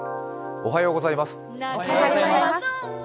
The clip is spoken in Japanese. おはようございます。